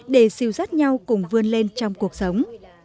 để siêu rắt nhau cùng vươn lên trong cuộc sống